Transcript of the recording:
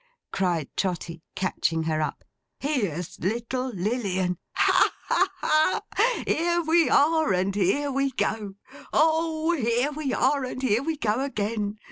cried Trotty, catching her up. 'Here's little Lilian! Ha ha ha! Here we are and here we go! O here we are and here we go again!